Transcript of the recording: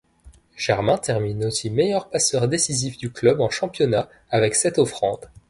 Germain termine aussi meilleur passeur décisif du club en championnat avec sept offrandes.